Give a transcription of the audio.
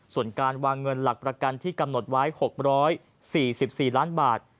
ส่วนการวางเงินหลักประกันที่กำหนดไว้๖๔๔ล้านบาท